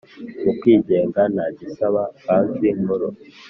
Mukwigenga nta gisaba Banki Nkuru